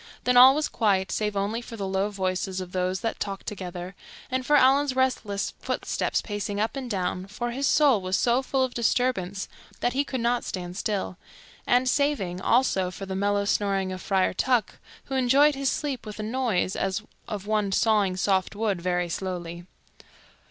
Then all was quiet save only for the low voices of those that talked together, and for Allan's restless footsteps pacing up and down, for his soul was so full of disturbance that he could not stand still, and saving, also, for the mellow snoring of Friar Tuck, who enjoyed his sleep with a noise as of one sawing soft wood very slowly.